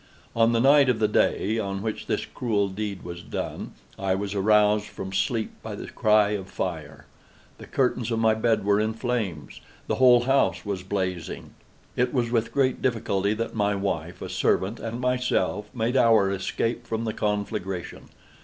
On the night of the day on which this cruel deed was done, I was aroused from sleep by the cry of fire. The curtains of my bed were in flames. The whole house was blazing. It was with great difficulty that my wife, a servant, and myself, made our escape from the conflagration.